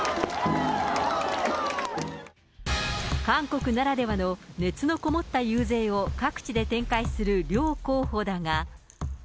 韓国ならではの熱のこもった遊説を各地で展開する両候補だが。